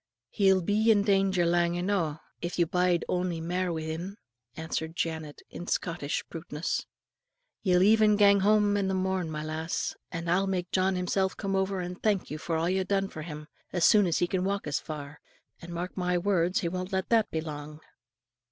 "He'll be in danger lang eno', if you bide ony mair wi' him," answered Janet, with Scottish bluntness. "Ye'll even gang home the morn, my lass, and I'll make John himsel' come over and thank you for a' you've done for him, as soon as he can walk as far; and mark my words, he won't let that be lang."